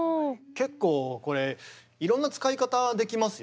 結構これいろんな使い方できますよね。